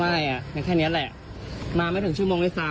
อ่าไม่นะแค่เนี่ยแหละมาไม่ถึงชั่วโมงได้ซ้ำ